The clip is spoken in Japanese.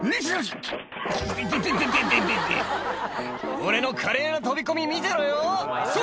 「俺の華麗な飛び込み見てろよそれ！」